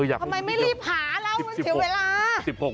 ทำไมไม่รีบหาแล้วมันเสียเวลา